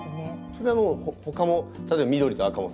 それはほかも例えば緑と赤も？